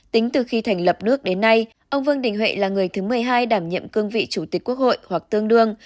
tính từ khi thành lập nước đến nay ông vương đình huệ là người thứ một mươi hai đảm nhiệm cương vị chủ tịch quốc hội hoặc tương đương